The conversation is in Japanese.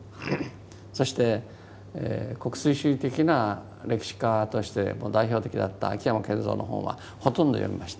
そして国粋主義的な歴史家としてもう代表的だった秋山謙蔵の本はほとんど読みました。